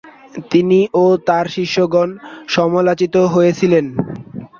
তিনি ও তার শিষ্যগণ সমালোচিত হয়েছিলেন।